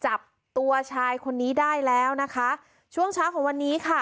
จับตัวชายคนนี้ได้แล้วนะคะช่วงเช้าของวันนี้ค่ะ